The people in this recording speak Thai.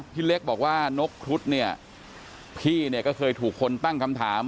พี่เล็กบอกว่านกครุฑเนี่ยพี่เนี่ยก็เคยถูกคนตั้งคำถาม